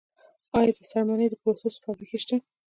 آیا د څرمنې د پروسس فابریکې شته؟